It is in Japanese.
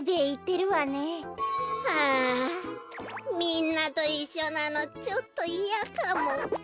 はあみんなといっしょなのちょっといやかも。